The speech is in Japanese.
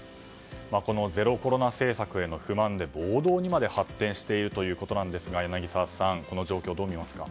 ゼロコロナ政策への不満で暴動にまで発展しているということですが柳澤さん、この状況をどう見ますか？